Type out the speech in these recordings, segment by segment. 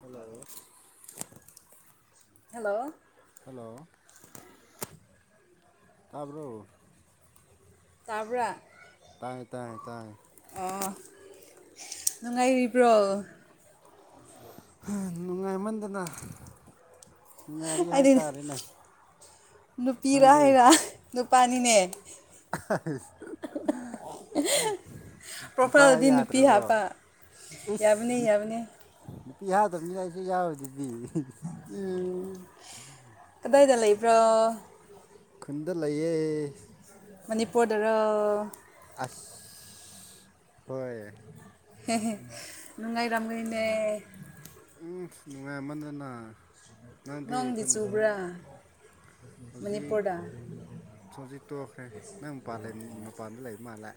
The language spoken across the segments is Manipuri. ꯍꯜꯂꯣ ꯍꯜꯂꯣ ꯍꯜꯂꯣ ꯇꯥꯕ꯭ꯔꯣ ꯇꯥꯕ꯭ꯔ ꯇꯥꯏꯌꯦ ꯇꯥꯏꯌꯦ ꯇꯥꯏꯌꯦ ꯑ ꯅꯨꯡꯉꯥꯏꯔꯤꯕ꯭ꯔꯣ ꯅꯨꯡꯉꯥꯏꯃꯟꯗꯅ ꯅꯨꯡꯉꯥꯏꯔꯤ ꯑꯩꯗꯤ ꯍꯥꯏꯇꯥꯔꯦꯅꯦ ꯅꯨꯄꯤꯔ ꯅꯪꯗꯤ ꯍꯥꯏꯔ ꯅꯨꯄꯥꯅꯤꯅꯦ ꯅꯨꯄꯥ ꯄ꯭ꯔꯣꯐꯥꯏꯜꯗꯗꯤ ꯅꯨꯄꯤ ꯌꯥꯗ꯭ꯔꯕꯣ ꯍꯥꯞꯄ ꯏꯁ ꯌꯥꯕꯅꯤ ꯌꯥꯕꯅꯤ ꯅꯨꯄꯤ ꯍꯥꯗꯕꯅꯤꯅ ꯑꯩꯁꯨ ꯌꯥꯎꯋꯗꯨꯗꯤ ꯎꯝ ꯀꯗꯥꯏꯗ ꯂꯩꯥꯏꯕ꯭ꯔꯣ ꯈꯨꯟꯗ ꯂꯩꯌꯦ ꯃꯅꯤꯄꯨꯔꯗꯔ ꯑꯁ ꯍꯣꯏ ꯅꯅꯨꯡꯉꯥꯏꯗꯥꯝꯅꯦ ꯎꯝ ꯅꯨꯡꯉꯥꯏꯃꯟꯗꯅ ꯅꯪꯗꯤ ꯆꯨꯕ꯭ꯔꯥ ꯍꯧꯖꯤꯛ ꯃꯅꯤꯄꯨꯔꯗ ꯍꯧꯖꯤꯛ ꯇꯣꯛꯈ꯭ꯔꯦ ꯅꯪ ꯃꯄꯥꯟ ꯂꯩ ꯃꯄꯥꯟꯗ ꯂꯩꯕ ꯃꯥꯜꯂꯦ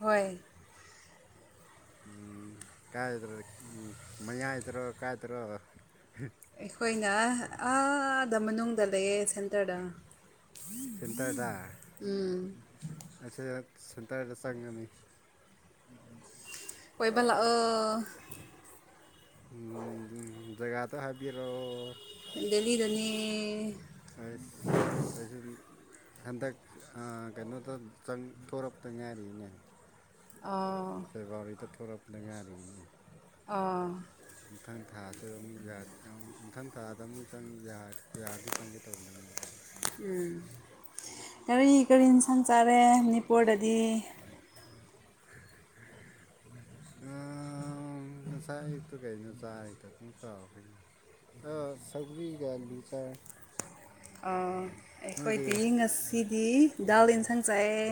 ꯍꯣꯏ ꯎꯝ ꯀꯥꯏꯗ꯭ꯔ ꯎꯝ ꯃꯌꯥꯏꯇꯔꯣ ꯀꯥꯏꯇꯔꯣ ꯍꯤ ꯑꯩꯈꯣꯏꯅ ꯑꯥꯗ ꯃꯅꯨꯡꯗ ꯂꯩꯌꯦ ꯁꯦꯟ ꯇꯔꯗꯥ ꯎꯝ ꯑꯩꯁꯦꯗ ꯁꯦꯟꯇꯔꯗ ꯆꯪꯉꯅꯤ ꯀꯣꯏꯕ ꯂꯥꯛꯑꯣ ꯎꯝꯝ ꯖꯒꯥꯗꯣ ꯍꯥꯏꯕꯤꯔꯛꯑꯣ ꯗꯦꯜꯂꯤꯗꯅꯦ ꯑꯁ ꯑꯩꯖꯨꯟ ꯍꯟꯗꯛ ꯑꯥ ꯀꯩꯅꯣꯗ ꯆꯪ ꯊꯣꯔꯛꯄꯗ ꯉꯥꯏꯔꯤꯅꯦ ꯑꯥ ꯐꯦꯕꯋꯥꯔꯤꯗ ꯊꯣꯛꯂꯛꯄꯗ ꯉꯥꯏꯔꯤꯅꯦ ꯑꯥ ꯃꯊꯪ ꯊꯥꯁꯨ ꯑꯃꯨꯛ ꯌꯥ ꯑ ꯃꯊꯪ ꯊꯥꯗ ꯑꯃꯨꯛ ꯆꯪ ꯌꯥ ꯌꯥꯔꯗꯤ ꯆꯪꯒꯦ ꯇꯧꯕꯅꯦ ꯑꯃꯨꯛ ꯎꯝ ꯀꯔꯤ ꯀꯔꯤ ꯏꯟꯁꯥꯡ ꯆꯥꯔꯦ ꯃꯅꯤꯄꯨꯔꯗꯗꯤ [unintelligible] ꯍꯍ ꯑꯥ ꯎꯪ ꯉꯁꯥꯏ ꯑꯌꯨꯛꯇꯨ ꯀꯩꯅꯣ ꯆꯥ ꯍꯦꯛꯇ ꯄꯨꯡ ꯀꯥꯎꯈ꯭ꯔꯦꯅꯦ ꯑꯥ ꯁꯧꯒꯔꯤꯒ ꯑꯂꯨ ꯆꯥꯏ ꯑꯥ ꯅꯣꯏꯗꯤ ꯑꯩꯈꯣꯏꯗꯤ ꯉꯁꯤꯗꯤ ꯗꯥꯜ ꯌꯦꯟꯁꯥꯡ ꯆꯥꯏꯌꯦ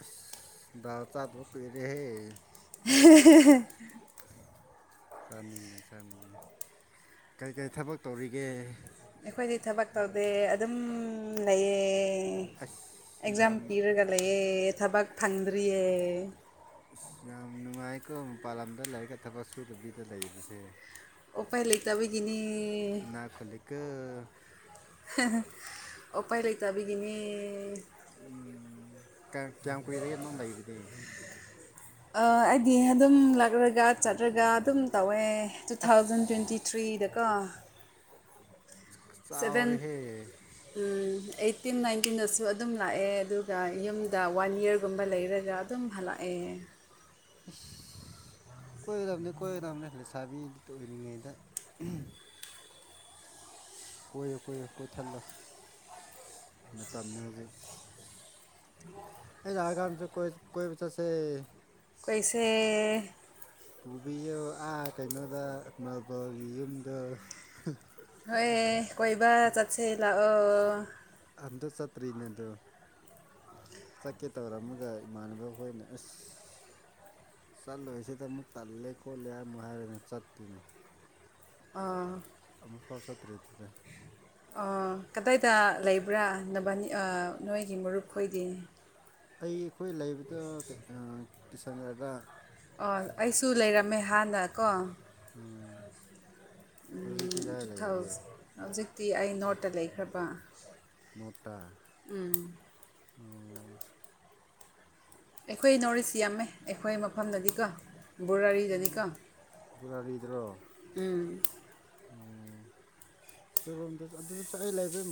ꯑꯁ ꯗꯥꯜ ꯆꯥꯗꯕ ꯀꯨꯏꯔꯦꯍꯦ ꯍꯦ ꯍꯦ ꯍꯦ ꯆꯥꯅꯤꯡꯉꯦ ꯆꯥꯅꯤꯡꯉꯦ ꯀꯩ ꯀꯩ ꯊꯕꯛ ꯇꯧꯔꯤꯒꯦ ꯑꯩꯈꯣꯏꯗꯤ ꯊꯕꯛ ꯇꯧꯗꯦ ꯑꯗꯨꯝ ꯂꯩꯌꯦ ꯑꯁ ꯑꯦꯛꯖꯥꯝ ꯌꯥꯝ ꯄꯤꯔꯒ ꯂꯩꯌꯦ ꯊꯕꯛ ꯐꯪꯗ꯭ꯔꯤꯌꯦ ꯑꯁ ꯌꯥꯝ ꯅꯨꯡꯉꯥꯏꯀꯣ ꯃꯄꯥꯟ ꯂꯝꯗ ꯂꯥꯏꯔꯤꯛꯀ ꯊꯕꯛ ꯁꯨꯗꯕꯤꯗ ꯂꯩꯕꯁꯦ ꯑꯣꯄꯥꯏ ꯂꯩꯇꯥꯕꯒꯤꯅꯦ ꯀ ꯍ ꯍ ꯑꯣꯄꯥꯏ ꯂꯩꯇꯥꯕꯤꯒꯤꯅꯦ ꯎꯝ ꯀꯌꯥꯡ ꯀꯌꯥꯝ ꯀꯨꯏꯔꯒꯦ ꯅꯪ ꯂꯩꯕꯗꯤ ꯑ ꯑꯩꯗꯤ ꯑꯗꯨꯝ ꯂꯥꯛꯔꯒ ꯆꯠꯂꯒ ꯑꯗꯨꯝ ꯇꯧꯋꯦ ꯇꯨ ꯑꯁ ꯊꯥꯎꯖꯟ ꯇ꯭ꯋꯦꯟꯇꯤ ꯊ꯭ꯔꯤꯗꯀꯣ ꯆꯥꯎꯔꯦꯍꯦ ꯎꯝ ꯑꯩꯠꯇꯤꯟ ꯅꯥꯏꯟꯇꯤꯟꯗꯁꯨ ꯑꯗꯨꯝ ꯂꯥꯛꯑꯦ ꯑꯗꯨꯒ ꯌꯨꯝꯗ ꯋꯥꯟ ꯏꯌꯔꯒꯨꯝꯕ ꯂꯩꯔꯒ ꯗꯨꯝ ꯍꯜꯂꯛꯑꯦ ꯏꯁ ꯀꯣꯏꯒꯗꯕꯅꯦ ꯀꯣꯏꯒꯗꯕꯅꯦ ꯂꯩꯁꯥꯕꯤ ꯑꯣꯏꯔꯤꯉꯩꯗ ꯎꯍꯨꯝ ꯀꯣꯏꯌꯨ ꯀꯣꯏꯌꯨ ꯀꯣꯏꯊꯠꯂꯨ ꯃꯇꯝꯅꯤ ꯍꯧꯖꯤꯛ ꯑꯩ ꯂꯥꯛꯑꯒꯥꯟꯁꯨ ꯀꯣꯏ ꯀꯣꯏꯕ ꯆꯠꯁꯦ ꯀꯣꯏꯁꯦ ꯄꯨꯕꯤꯌꯨ ꯑꯥ ꯀꯩꯅꯣꯗ ꯃꯥꯔꯕꯜꯒꯤ ꯌꯨꯝꯗꯨ ꯍꯣꯏꯌꯦ ꯀꯣꯏꯕ ꯆꯠꯁꯦ ꯂꯥꯛꯑꯣ ꯑꯝꯇ ꯆꯠꯇ꯭ꯔꯤꯅꯦ ꯑꯗꯨ ꯆꯠꯀꯦ ꯇꯧꯔꯝꯃꯒ ꯏꯃꯥꯟꯅꯕ ꯈꯣꯏꯅ ꯑꯁ ꯆꯠꯂꯣꯏꯁꯤꯗ ꯑꯃꯨꯛ ꯇꯜꯂꯦ ꯈꯣꯠꯂꯦ ꯍꯥꯏ ꯑꯃꯨꯛ ꯍꯥꯏꯔꯦꯗꯅ ꯆꯠꯇꯤꯅꯦ ꯑꯥ ꯑꯃꯨꯛꯐꯥꯎ ꯆꯠꯇ꯭ꯔꯦ ꯑꯗꯨꯗꯩ ꯑꯥ ꯀꯗꯥꯏꯗ ꯂꯩꯕ꯭ꯔꯥ ꯅꯕꯥꯅꯤ ꯑꯥ ꯅꯣꯏꯒꯤ ꯃꯔꯨꯞꯈꯣꯏꯗꯤ ꯑꯩ ꯑꯩꯈꯣꯏ ꯂꯩꯕꯗꯣ ꯀꯩ ꯑꯥ ꯀꯤꯁꯟꯒꯔꯗ ꯑ ꯑꯩꯁꯨ ꯂꯩꯔꯝꯃꯦ ꯍꯥꯟꯅ ꯀꯣ ꯎꯝ ꯍꯧꯖꯤꯛꯇꯤ ꯎꯝ, ꯀꯥꯏ ꯇꯨ ꯂꯩꯔꯤꯒꯦ ꯊꯥꯎꯖꯟ ꯍꯧꯖꯤꯛꯇꯤ ꯑꯩ ꯅꯣꯔꯠꯇ ꯂꯩꯈ꯭ꯔꯕ ꯅꯇꯥ ꯎꯝ ꯑꯩꯈꯣꯏ ꯅꯣꯔꯠ ꯏꯁꯁꯤ ꯌꯥꯝꯃꯦ ꯑꯩꯈꯣꯏ ꯃꯐꯝꯗꯗꯤꯀꯣ ꯎꯝ ꯣꯔꯥꯔꯤꯗꯅꯤꯀꯣ ꯕꯣꯔꯥꯔꯤꯗ꯭ꯔꯣ ꯎꯝ ꯑꯩꯈꯣꯏ ꯔꯣꯝꯗꯁꯨ ꯑꯗꯨꯗꯁꯨ ꯑꯩ ꯂꯩꯕꯩ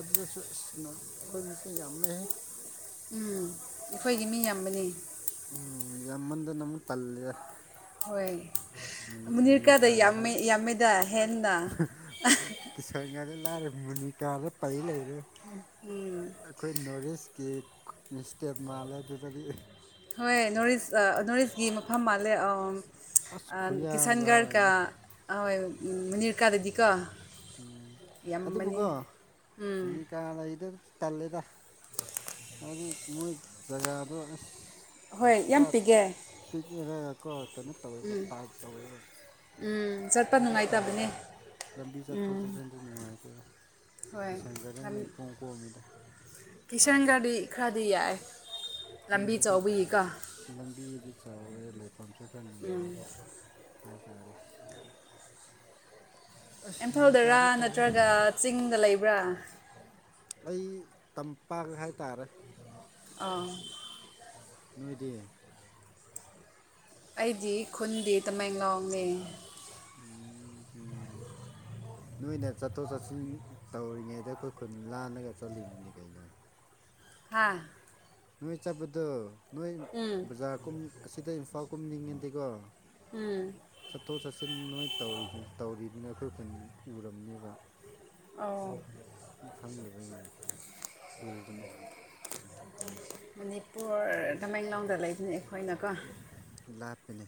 ꯑꯗꯨꯗꯁꯨ ꯏꯁ ꯑꯩꯈꯣꯏ ꯃꯤꯁꯦ ꯌꯥꯝꯃꯛꯍꯦ ꯎꯝ ꯑꯩꯈꯣꯏꯗꯤ ꯃꯤ ꯌꯥꯝꯕꯅꯤ ꯌꯥꯝꯃꯟꯗꯅ ꯑꯃꯨꯛ ꯄꯜꯂꯦ ꯍꯣꯏ ꯃꯅꯤꯔꯀꯥꯗ ꯃꯨꯅꯤꯀꯥ ꯌꯥꯝ ꯌꯥꯝꯃꯦꯗ ꯍꯦꯟꯅ ꯀꯤꯁꯥꯟꯉꯥꯏꯗ ꯂꯥꯏꯔꯦ ꯃꯨꯅꯤꯀꯥꯗ ꯄꯩ ꯂꯩꯔꯦ ꯎꯝ ꯑꯩꯈꯣꯏ ꯅꯣꯔꯠ ꯏꯁꯀꯤ ꯏꯁꯇꯦꯠ ꯃꯥꯜꯂꯦ ꯑꯗꯨꯗꯗꯤ ꯍꯣꯏ ꯅꯣꯔꯤꯁ ꯅꯣꯔꯤꯁꯀꯤ ꯃꯐꯝ ꯃꯥꯜꯂꯦ ꯑꯁ ꯈꯨꯌꯥꯝꯗꯣ ꯀꯁꯟꯒꯔ ꯀ ꯍꯥꯏꯔꯅꯨ ꯍꯣꯏꯅꯤꯔꯀꯥ ꯗꯤꯗꯤ ꯀ ꯎ ꯑꯗꯨꯕꯨꯒ ꯎꯝ ꯃꯅꯤ ꯀꯥ ꯂꯩꯗ ꯇꯜꯂꯦꯗ ꯍꯥꯏꯗꯤ ꯃꯣꯏ ꯖꯒꯥꯗꯣ ꯑꯁ ꯍꯣꯏ ꯌꯥꯝ ꯄꯨꯔꯥ ꯄꯤꯒꯦ ꯄꯤꯛꯏꯔꯒꯀꯣ ꯀꯩꯅꯣ ꯇꯧꯋꯦꯕ ꯇꯥꯏꯠ ꯇꯧꯋꯦꯕ ꯎꯝ ꯆꯠ ꯑꯩꯗꯤ ꯇꯜꯂꯦꯗ ꯂꯝꯕꯤ ꯆꯠꯊꯣꯛ ꯎꯝ ꯆꯠꯁꯤꯟꯗ ꯅꯨꯡꯉꯥꯏꯇꯦꯗ ꯍꯣꯏ ꯀꯤꯁꯟꯒꯅ ꯅ ꯀꯣꯣꯡ ꯀꯣꯃꯤꯗ ꯀꯤꯁꯟ ꯒꯥꯔꯗꯤ ꯈꯔꯗꯤ ꯌꯥꯏ ꯂꯝꯕꯤ ꯃꯣꯏꯗꯗꯤ ꯆꯥꯎꯕꯒꯤꯀꯣ ꯂꯝꯕꯤꯗꯤ ꯆꯥꯎꯋꯦ ꯂꯩꯐꯝꯁꯨ ꯈꯔ ꯎꯝ ꯍꯖꯥꯔꯁ ꯑꯁ ꯏꯝꯐꯥꯜꯗꯔꯥ ꯃꯨꯅꯤꯀꯥꯗꯤ ꯇꯜꯂꯦ ꯅꯠꯇ꯭ꯔꯒ ꯆꯤꯡꯗ ꯂꯩꯕ꯭ꯔꯥ ꯑꯩ ꯇꯝꯄꯥꯛ ꯍꯥꯏꯇꯥꯔꯦ ꯑꯥ ꯅꯣꯏꯗꯤ ꯑꯩꯗꯤ ꯈꯨꯟꯗꯤ ꯇꯃꯦꯡꯂꯥꯎꯅꯤ ꯎꯝ ꯍꯝ ꯅꯣꯏꯅ ꯆꯠꯊꯣꯛ ꯆꯠꯁꯤꯟ ꯇꯧꯔꯤꯉꯩꯗ ꯑꯩꯈꯣꯏ ꯈꯨꯟ ꯂꯥꯜꯂꯒ ꯆꯠꯂꯤꯅꯤꯅꯦ ꯀꯩꯅꯣ ꯍꯥꯥ ꯅꯣꯏ ꯆꯠꯄꯗꯣ ꯅꯣꯏ ꯎꯝ ꯕꯖꯥꯔ ꯀꯨꯝ ꯑꯁꯤꯗ ꯏꯝꯐꯥꯜ ꯀꯨꯝꯅꯤꯡꯉ‌ꯗꯤꯀꯣ ꯎꯝ ꯆꯠꯊꯣꯛ ꯆꯠꯁꯤꯟ ꯅꯣꯏ ꯇꯧꯔꯤ ꯇꯧꯔꯤꯗꯨꯅꯦ ꯑꯩꯈꯣꯏ ꯈꯨꯟ ꯎꯔꯝꯅꯦꯕ ꯑꯧ ꯈꯪꯗꯕꯒꯤꯅꯦ ꯎꯕꯅꯦ ꯃꯅꯤꯄꯨꯔ ꯇꯃꯦꯡꯂꯣꯡꯗ ꯂꯩꯕꯅꯦ ꯑꯩꯈꯣꯏꯅꯀꯣ ꯂꯥꯞ ꯄꯅꯦ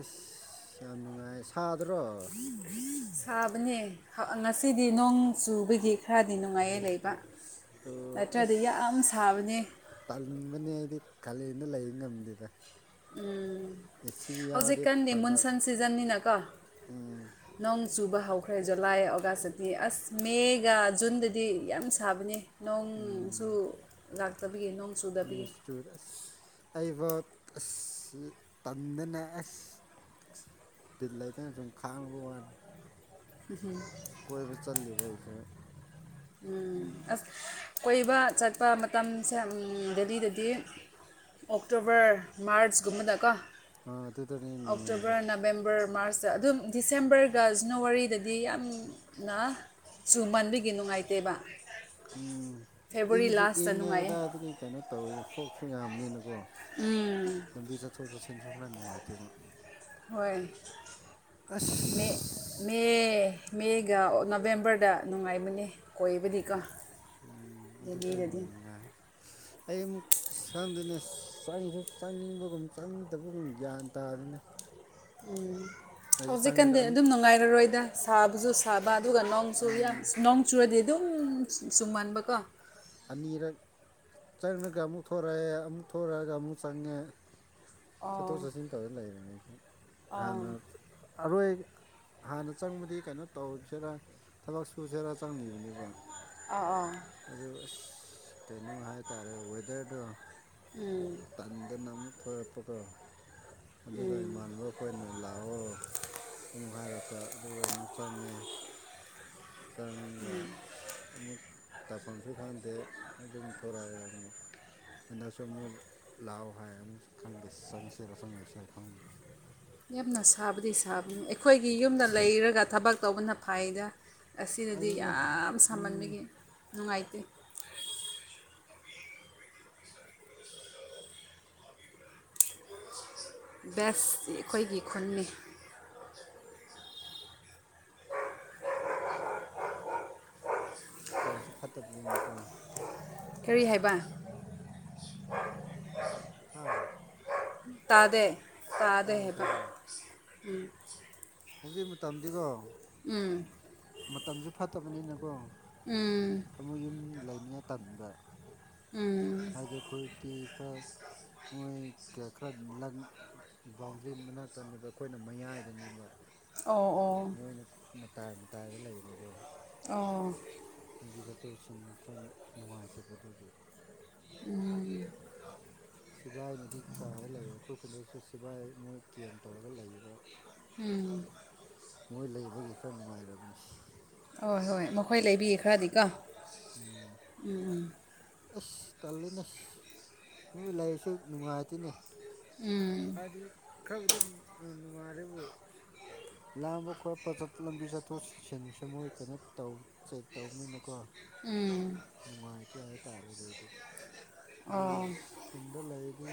ꯑꯁ ꯌꯥꯝ ꯅꯨꯡꯉꯥꯏ ꯁꯥꯗ꯭ꯔꯣ [unintelligible] ꯁꯥꯕꯅꯦ ꯉꯁꯤꯗꯤ ꯅꯣꯡ ꯆꯨꯕꯒꯤ ꯈꯔꯗꯤ ꯅꯨꯡꯉꯥꯏꯌꯦ ꯂꯩꯕ ꯑꯣ ꯅꯠꯇ꯭ꯔꯗꯤ ꯌꯥꯝ ꯑꯁ ꯁꯥꯕꯅꯦ. ꯇꯟꯕꯅꯦ ꯑꯩꯗꯤ ꯀꯥꯂꯦꯟꯗ ꯂꯩ ꯉꯝꯗꯦꯗ ꯎꯝ ꯑꯦꯁꯤ ꯌꯥꯎꯔꯗꯤ ꯍꯧꯖꯤꯛꯀꯟꯗꯤ ꯐꯕ ꯃꯨꯟꯁꯟ ꯁꯤꯖꯟꯅꯤꯅꯀꯣ ꯎꯝ ꯅꯣꯡ ꯆꯨꯕ ꯍꯧꯈ꯭ꯔꯦ ꯖꯨꯂꯥꯏ ꯑꯣꯒꯁꯇꯗꯤ ꯑꯁ ꯃꯦꯒ ꯖꯨꯟꯗꯗꯤ ꯌꯥꯝ ꯁꯥꯕꯅꯤ ꯎꯝ ꯅꯣꯡꯁꯨ ꯂꯥꯛꯇꯕꯤꯌꯦ ꯅꯣꯡ ꯆꯨꯗꯕꯤꯌꯦ ꯑꯁ ꯑꯩꯕꯨ ꯑꯁ ꯇꯟꯗ‌ꯦꯅ‌ꯦ ꯑꯁ ꯤꯜ ꯂꯩꯇꯅ ꯁꯨꯝ ꯈꯥꯡꯉꯨꯕ ꯋꯥꯅꯤ ꯎꯝꯝ ꯀꯣꯏꯕ ꯆꯜꯂꯤꯕ ꯑꯩꯁꯨ ꯑꯁ ꯀꯣꯏꯕ ꯆꯠꯄ ꯃꯇꯝꯁꯦ ꯗꯦꯂꯤꯗꯗꯤ ꯑꯣꯛꯇꯣꯕꯔ ꯃꯥꯔꯆꯀꯨꯝꯕꯗꯀꯣ ꯑꯥ ꯑꯗꯨꯗꯅꯦ ꯅꯨꯡꯉꯥꯏꯔꯦ ꯑꯣꯛꯇꯣꯕꯔ ꯅꯕꯦꯝꯕꯔ ꯃꯥꯔꯁꯇ ꯑꯗꯨꯝ ꯗꯤꯁꯦꯝꯕꯔꯒ ꯖꯦꯅꯋꯥꯔꯤꯗꯗꯤ ꯌꯥꯝꯅ ꯁꯨꯝꯃꯟꯗꯨꯒꯤ ꯅꯨꯡꯉꯥꯏꯇꯦꯕ ꯎꯝ ꯐꯦꯕꯋꯥꯔꯤ ꯏꯪꯁꯨ ꯂꯥꯁꯇ ꯅꯨꯡꯉꯥꯏꯌꯦ ꯏꯪꯉꯦꯅ ꯑꯗꯨꯗꯤ ꯀꯩꯅꯣ ꯇꯧꯔꯤ ꯐꯣꯛꯁꯨ ꯌꯥꯝꯅꯤꯅꯀꯣ ꯎꯝ ꯂꯝꯕꯤ ꯆꯠꯊꯣꯛ ꯆꯠꯁꯤꯟꯁꯨ ꯈꯔ ꯅꯨꯡꯉꯥꯏꯇꯦꯕ ꯍꯣꯏ ꯑꯁ ꯃꯤ ꯃꯦ ꯃꯦꯒ ꯅꯕꯦꯝꯕꯔꯗ ꯅꯨꯡꯉꯥꯏꯕꯅꯤ ꯎꯝ ꯑꯗꯨꯗ ꯗꯦꯜꯂꯤꯗꯗꯤ ꯅꯨꯡꯉꯥꯏ ꯑꯩ ꯑꯃꯨꯛ ꯆꯪꯗ‌ꯦꯅꯦ ꯆꯪꯁꯨ ꯆꯪꯅꯤꯡꯕꯒꯨꯝ ꯆꯪꯅꯤꯡꯗꯕꯒꯨꯝ ꯒ꯭ꯌꯥꯟ ꯇꯥꯗꯦꯅ‌ꯦ ꯎꯝ ꯆꯪꯂꯒ ꯍꯧꯖꯤꯛꯀꯥꯟꯗꯤ ꯑꯟ ꯑꯗꯨꯝ ꯅꯨꯡꯉꯥꯏꯔꯔꯣꯏꯗ ꯁꯥꯕꯖꯨ ꯁꯥꯕ ꯑꯗꯨꯒ ꯅꯣꯡꯁꯨ ꯌꯥꯝ ꯎꯝ ꯁ꯭ꯅ‌ꯣꯡ ꯆꯨꯔꯗꯤ ꯑꯗꯨꯝ ꯆꯨꯝꯃꯟꯕꯀꯣ ꯑꯅꯤꯔꯛ ꯆꯪꯉꯒ ꯑꯃꯨꯛ ꯊꯣꯔꯛꯑꯦ ꯑꯃꯨꯛ ꯊꯣꯔꯛꯑꯒ ꯑꯃꯨꯛ ꯆꯪꯉꯦ ꯆꯠꯊꯣꯛ ꯑꯣ ꯆꯠꯁꯤꯟ ꯇꯧꯔ ꯂꯩꯔ‌ꯦ ꯑꯩꯁꯦ ꯑꯣ ꯍꯥꯟꯅ ꯑꯔꯣꯏ ꯍꯥꯟꯅ ꯆꯪꯕꯗꯤ ꯀꯩꯅꯣ ꯇꯧꯁꯤꯔꯥ ꯊꯕꯛ ꯁꯨꯖꯤꯔꯥ ꯆꯪꯒꯤꯕꯅꯦꯕ ꯑꯥ ꯑꯥ ꯑꯗꯣ ꯑꯁ ꯀꯩꯅꯣ ꯍꯥꯏꯇꯥꯔꯦ ꯋꯦꯗꯔꯗꯣ ꯎꯝ ꯇꯟꯗꯅ ꯑꯃꯨꯛ ꯊꯣꯔꯛꯄꯀꯣ ꯑꯗꯨꯒ ꯎꯝ ꯏꯃꯥꯟꯅꯕ ꯈꯣꯏꯅ ꯂꯥꯛꯑꯣ ꯑꯃꯨꯛ ꯍꯥꯏꯔꯛꯄ ꯑꯗꯨꯒ ꯑꯃꯨꯛ ꯆꯪꯉꯦ ꯆꯥꯡꯉ ꯑꯁ ꯑꯃꯨꯛ ꯇꯥꯐꯝꯁꯨ ꯈꯪꯗꯦ ꯑꯗꯨꯝ ꯊꯣꯔꯛꯑꯦ ꯑꯃꯨꯛ ꯍꯟꯗꯛꯁꯨ ꯑꯃꯨꯛ ꯂꯥꯎ ꯍꯥꯏ ꯑꯃꯨꯛ ꯈꯪꯗꯦ ꯆꯪꯁꯤꯔ ꯆꯪꯉ‌ꯣꯏꯁꯤꯔ ꯈꯪꯗꯦ ꯌꯥꯝꯅ ꯁꯥꯕꯗꯤ ꯁꯥꯕꯅꯤ ꯑꯩꯈꯣꯏꯒꯤ ꯌꯨꯝꯗ ꯂꯩꯔꯒ ꯊꯕꯛ ꯇꯧꯕꯅ ꯐꯩꯗ ꯑꯁꯤꯅꯗꯤ ꯑꯗꯨꯅꯦ ꯌꯥꯝ ꯎꯝ ꯁꯥꯍꯟꯕꯒꯤ ꯅꯨꯡꯉꯥꯏꯇꯦ ꯕꯦꯁ ꯑꯩꯈꯣꯏꯒꯤ ꯈꯨꯟꯅꯤ ꯃꯇꯝꯁꯦ ꯐꯠꯇꯕꯅꯤꯅꯀꯣ ꯀꯔꯤ ꯍꯥꯏꯕ ꯑ ꯇꯥꯗꯦ ꯇꯥꯗꯦ ꯇꯥꯏ ꯍꯥꯏꯕ ꯇꯥꯏ ꯍꯧꯖꯤꯛ ꯃꯇꯝꯗꯤꯀꯣ ꯎꯝ ꯃꯇꯝꯁꯨ ꯐꯠꯇꯕꯅꯤꯅꯀꯣ ꯎꯝ ꯑꯃꯨꯛ ꯌꯨꯝ ꯂꯩꯅꯤꯡꯉꯥꯏ ꯇꯟꯕ ꯎꯝ ꯍꯥꯏꯗꯤ ꯑꯩꯈꯣꯏꯗꯤ ꯈꯔ ꯃꯣꯏꯒ ꯈꯔ [unintelligible] ꯕꯥꯎꯟꯗ꯭ꯔꯤ ꯃꯅꯥꯛꯇꯅꯦꯕ ꯑꯩꯈꯣꯏꯅ ꯃꯌꯥꯏꯗꯅꯦꯕ ꯑꯣ ꯑꯣ ꯃꯣꯏꯅ ꯃꯇꯥꯏ ꯃꯇꯥꯏꯗ ꯂꯩꯕꯀꯣ ꯑꯣ ꯂꯝꯕꯤ ꯆꯠꯊꯣꯛ ꯆꯠꯁꯤꯟ ꯈꯔ ꯅꯨꯡꯉꯥꯏꯇꯦꯕ ꯑꯗꯨꯒꯤ ꯎꯝ ꯁꯤꯕꯥꯏꯅꯗꯤ ꯆꯥꯏꯔ ꯂꯩꯔꯦ ꯑꯩꯈꯣꯏ ꯈꯨꯟꯗꯁꯨ ꯁꯤꯕꯥꯥꯏ ꯃꯣꯏ ꯀꯦꯝ ꯇꯧꯔꯒ ꯂꯩꯌꯦꯕ ꯎꯝ ꯃꯣꯏ ꯂꯩꯕꯒꯤ ꯈꯔ ꯅꯨꯡꯉꯥꯏꯔꯕꯅꯤ ꯍꯣꯏ ꯍꯣꯏ ꯃꯈꯣꯏ ꯂꯩꯕꯤ ꯈꯔꯗꯤꯀꯣ ꯎꯝ ꯑꯁ ꯇꯜꯂꯤ ꯅꯦꯁ ꯃꯣꯏ ꯂꯥꯏꯔꯁꯨ ꯅꯨꯡꯉꯥꯏꯇꯦꯅꯦ ꯎꯝ ꯍꯥꯏꯗꯤ ꯈꯔꯕꯨꯗꯤ ꯅꯨꯡꯉꯥꯏꯔꯦꯕꯨ ꯂꯥꯡꯕ ꯈꯣꯠꯄ ꯆꯠ ꯂꯝꯕꯤ ꯆꯠꯊꯣꯛ ꯆꯠꯁꯤꯟꯁꯨ ꯃꯣꯏ ꯀꯩꯅꯣ ꯇꯧꯢ ꯆꯦꯛ ꯇꯧꯕꯅꯤꯅꯀꯣ ꯎꯝ ꯅꯨꯡꯉꯥꯏꯇꯦ ꯍꯥꯏ ꯇꯥꯔꯦꯅꯦ ꯑꯩꯗꯤ ꯑꯗꯨꯒꯤ ꯢꯁ ꯈꯨꯟꯗ ꯂꯩꯗꯤ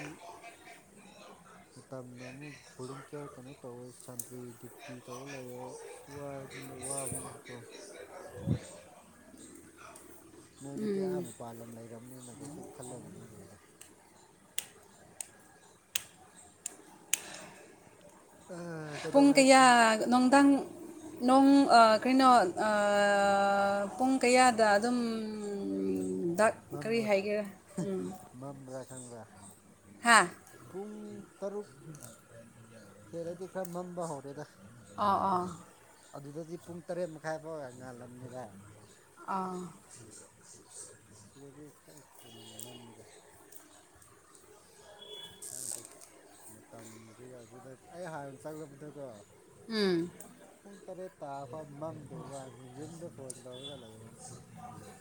ꯃꯇꯝꯅ ꯑꯃꯨꯛ ꯚꯣꯂꯨꯝꯇꯤꯌꯔ ꯀꯩꯅꯣ ꯇꯧꯑꯩ ꯁꯟꯗ꯭ꯔꯤ ꯗ꯭ꯌꯨꯇꯤ ꯇꯧꯔ ꯂꯩꯌꯦ ꯋꯥꯏ ꯑꯗꯨꯅ ꯋꯥꯕꯅꯤꯅꯀꯣ [inaudible] ꯅꯣꯏꯗꯗꯤ ꯎꯝ ꯑꯥ ꯃꯄꯥꯜ ꯂꯝ ꯂꯩꯔꯕꯅꯤꯅ ꯀꯩꯁꯨ ꯈꯜꯂꯝꯃꯥꯔꯣꯏꯗ ꯑ ꯄꯨꯡ ꯀꯌꯥ ꯅꯣꯡꯗꯥꯡ ꯅꯣꯡ ꯑ ꯀꯩꯅꯣ ꯑ ꯄꯨꯡ ꯀꯌꯥꯗ ꯑꯗꯨꯝ ꯗ [unintelligible] ꯃꯝ꯭ꯔꯥ ꯈꯪꯕ꯭ꯔ ꯍꯥꯥ ꯄꯨꯡ ꯇꯔꯨꯛ ꯍꯦꯜꯂꯗꯤ ꯈꯔ ꯃꯝꯕ ꯍꯧꯔꯦꯗ ꯑꯥꯎ ꯑꯥꯎ ꯑꯗꯨꯗꯗꯤ ꯄꯨꯡ ꯇꯔꯦꯠ ꯃꯈꯥꯏꯐꯥꯎ ꯉꯥꯜꯂꯝꯒꯅꯤꯗ ꯑꯥ ꯑꯁꯤꯗꯗꯤ ꯈꯔ ꯊꯨꯅ ꯃꯝꯃꯤꯗ ꯈꯪꯗꯦ ꯃꯇꯝ [unintelligible] ꯒꯤ ꯑꯗꯨꯗ ꯑꯩ ꯍꯥꯟꯅ ꯆꯪꯂꯛꯕꯗꯀꯣ꯫ ꯎꯝ꯫ ꯄꯨꯡ ꯇꯔꯦꯠ ꯇꯥꯔ ꯐꯥꯎ ꯃꯝꯗꯕ ꯋꯥꯅꯤ ꯌꯨꯝꯗ ꯐꯣꯟ ꯇꯧꯔꯒ ꯂꯩꯕ꯫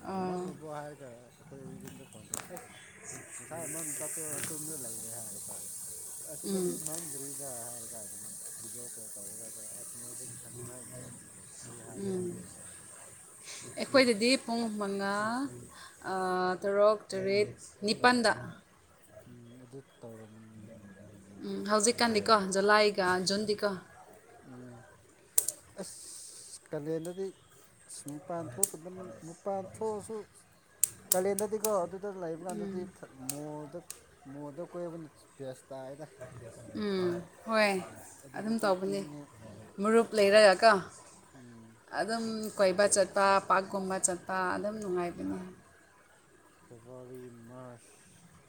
ꯑꯣ ꯃꯝꯑꯕꯣ ꯍꯥꯏꯔꯒ ꯑ ꯑꯩꯈꯣꯏ ꯌꯨꯝꯗ ꯐꯣꯟ ꯇꯧꯑꯦ ꯑꯁ ꯉꯁꯥꯏ ꯃꯝ ꯆꯥꯇꯣꯛꯔꯒ ꯇꯨꯝꯔ ꯂꯩꯔꯦ ꯍꯥꯏꯔꯛꯄ ꯋꯥ꯫ ꯎꯝ ꯑꯁꯤꯗꯗꯤ ꯃꯝꯗ꯭ꯔꯤꯗ ꯍꯥꯏꯔ ꯀꯥꯟꯗ ꯚꯤꯗꯤꯑꯣ ꯀꯣꯜ ꯇꯧꯔꯒꯀ ꯑꯁ ꯃꯣꯏꯁꯨ ꯈꯪꯉꯛꯏꯅꯤ ꯑꯗꯨꯗ ꯑꯩ ꯍꯥꯟꯅ ꯎꯝ ꯆꯪꯉꯝꯕꯗꯥꯅ꯫ ꯑꯩꯈꯣꯏꯗꯗꯤ ꯄꯨꯡ ꯃꯉꯥ ꯇꯔꯨꯛ ꯇꯔꯦꯠ ꯅꯤꯄꯥꯟꯗ꯫ ꯎꯝ ꯑꯗꯨ ꯇꯧꯔꯝꯃꯅꯤ꯫ ꯎꯝ ꯍꯧꯖꯤꯛꯀꯥꯟꯗꯤꯀꯣ ꯖꯨꯂꯥꯏꯒ ꯖꯨꯟꯗꯤꯀꯣ꯫ ꯎꯝ [unintelligible] ꯑꯁ ꯀꯂꯦꯟꯗꯗꯤ ꯑꯁ ꯃꯄꯥꯟ ꯊꯣꯛꯇꯕꯟ ꯃꯄꯥꯟ ꯊꯣꯛꯑꯁꯨ ꯀꯥꯂꯦꯟꯗꯗꯤꯀꯣ ꯑꯗꯨ ꯑꯗꯨ ꯂꯩꯕ ꯎꯝ ꯀꯥꯟꯗꯗꯤ ꯊ ꯃꯣꯜꯗ ꯃꫭꯜꯗ ꯀꯣꯏꯕꯅ ꯕꯦꯁ ꯇꯥꯑꯦꯗ꯫ ꯎꯝ ꯍꯣꯏ ꯑꯗꯨꯝ ꯑꯗꯨꯗꯗꯤ ꯇꯧꯕꯅꯦ ꯏꯪꯉꯦ ꯃꯔꯨꯞ ꯂꯩꯔꯒꯀꫭ꯫ ꯎꯝ꯫ ꯑꯗꯨꯝ ꯀꯣꯏꯕ ꯆꯠꯄ ꯄꯥꯔꯀꯨꯝꯕ ꯆꯠꯄ ꯑꯗꯨꯝ ꯅꯨꯡꯉꯥꯏꯕꯅꯦ꯫ ꯐꯦꯕ꯭ꯔꯋꯥꯔꯤ ꯃꯥꯔꯁ꯫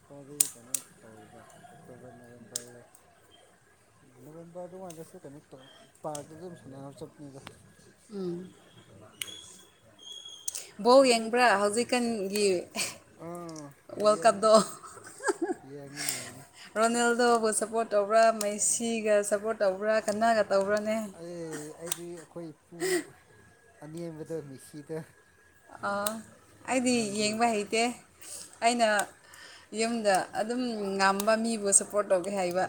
ꯐꯥꯎꯗꯤ ꯀꯩꯅꯣ ꯇꯧꯋꯦꯕ ꯑꯣꯛꯇꯣꯕꯔ ꯅꯣꯕꯦꯝꯕꯔ ꯅꯕꯦꯝꯕꯔ ꯑꯗꯨꯃꯥꯏꯗꯁꯨ ꯀꯩꯅꯣ ꯇꯧꯑꯦ ꯄꯥꯔꯛꯇ ꯑꯗꯨꯝ ꯁꯥꯟꯅꯕ ꯆꯠꯄꯅꯦꯗ꯫ ꯎꯝ꯫ ꯏꯁ꯫ ꯕꫭꯜ ꯌꯦꯡꯕ꯭ꯔꯥ ꯍꯧꯖꯤꯛꯀꯥꯟꯒꯤ ꯑꯥ ꯋꯥꯔꯜ ꯌꯦꯡꯉꯦ ꯀꯞꯇꯣ ꯌꯦꯡꯉꯦ ꯌꯦꯡꯉꯤ꯫ ꯔꯣꯅꯥꯜꯗꯣꯕꯨ ꯁꯞꯄꯣꯔꯠ ꯇꯧꯕ꯭ꯔꯥ ꯃꯩꯁꯤꯒ ꯁꯞꯄꯣꯔꯠ ꯇꯧꯕ꯭ꯔꯥ ꯀꯟꯅꯒ ꯇꯧꯕ꯭ꯔꯥꯅꯦ꯫ ꯑꯩ ꯑꯩꯗꯤ ꯑꯩꯈꯣꯏ ꯏꯄꯨ ꯑꯅꯦꯝꯕꯗꫭ ꯃꯤꯁꯤꯗꯣ꯫ ꯑ ꯑꯩꯗꯤ ꯅꯪꯗꯤ ꯌꯦꯡꯕ ꯍꯩꯇꯦ ꯑꯩꯅ ꯌꯨꯝꯗ ꯑꯗꯨꯝ ꯉꯝꯕ ꯃꯤꯕꯨ ꯁꯞꯄꯣꯔꯠ ꯇꯧꯒꯦ ꯍꯥꯏꯕ꯫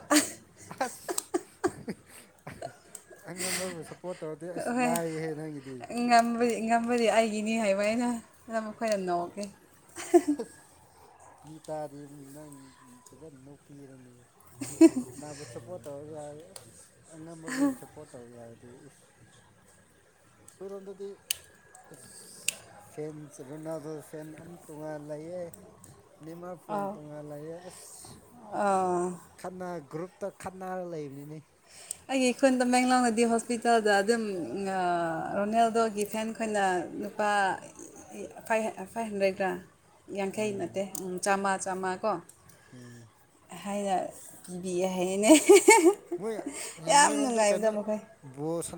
ꯑꯁ [unintelligible] ꯑꯉꯝꯕꯕꯨ ꯁꯞ ꯄꯣꯔꯠ ꯇꯧꯗꯤ ꯑꯁ ꯍꯣꯏ ꯂꯥꯏꯍꯦ ꯅꯪꯒꯤꯗꯤ꯫ ꯉꯝꯕꯗꯤ ꯉꯝꯕꯗꯤ ꯑꯩꯒꯤꯅꯤ ꯍꯥꯏꯕ ꯑꯩꯅ ꯑꯗ ꯃꯈꯣꯏꯅ ꯅꯣꯛꯀꯦ꯫ [unintelligible] ꯑꯁ ꯃꯤ ꯇꯥꯗꯤ ꯅꯪ ꯐꯖꯅ ꯅꯨꯄꯤꯔꯅꯤ꯫ [unintelligible] ꯀꯅꯥꯕꯨ ꯁꯞꯄꯣꯔꯠ ꯇꯧꯔ ꯍꯥꯏꯔ ꯑꯁ ꯑꯉꯝꯕꯕꯨ ꯁꯞꯄꯣꯔꯠ ꯇꯧꯑꯦ ꯍꯥꯏꯔꯗꯤ ꯏꯁ꯫ ꯈꯣꯏꯔꯣꯝꯗꯗꯤ ꯑꯁ ꯐꯦꯟꯁ ꯔꯣꯅꯥꯜꯗꯣ ꯐꯦꯟ ꯑꯃ ꯇꯣꯉꯥꯟꯅ ꯂꯩꯌꯦ꯫ ꯅꯦꯃꯥꯔ ꯐꯦꯟ ꯑꯥꯎ ꯇꯣꯉꯟ ꯂꯩꯑꯌꯦ ꯑꯁ꯫ ꯑꯥ꯫ ꯈꯠꯅ ꯒ꯭ꯔꯨꯞꯇ ꯈꯠꯅꯔ ꯂꯩꯕꯅꯤꯅꯦ꯫ ꯑꯩꯒꯤ ꯈꯨꯟ ꯇꯃꯦꯡꯂꯣꯡꯗꯗꯤ ꯍꯣꯁꯄꯤꯇꯥꯜꯗ ꯑꯗꯨꯝ ꯉꯥ ꯔꯣꯅꯦꯜꯗꯣꯒꯤ ꯐꯦꯟ ꯈꯣꯏꯅ ꯐꯥ ꯐꯥꯏ ꯍꯟꯗ꯭ꯔꯦꯠꯒ꯫ ꯌꯥꯡꯈꯩ ꯎꯝ ꯅꯠꯇꯦ ꯆꯥꯝꯃꯥ ꯆꯥꯝꯃꯥ ꯀꯣ꯫ ꯎꯝ꯫ ꯑꯍꯥꯏꯅ ꯄꯤꯕꯤꯌꯦ ꯍꯥꯏꯅꯦ꯫ ꯃꯣꯏ ꯍꯦꯟ ꯅꫭꯏꯔꯣꯝꯗ ꯀꯩꯅꯣ ꯕꯣꯜ ꯁꯅꯥ